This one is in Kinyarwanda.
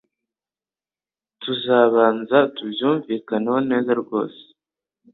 Tuzabanza tubyumvikaneho neza rwose .